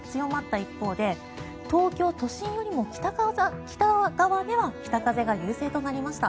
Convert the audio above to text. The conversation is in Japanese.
一方で東京都心よりも北側では北風が優勢となりました。